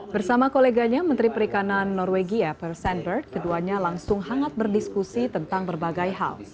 bersama koleganya menteri perikanan norwegia per sandberg keduanya langsung hangat berdiskusi tentang berbahaya